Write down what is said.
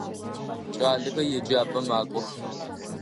Кӏалэхэр еджапӏэм макӏох.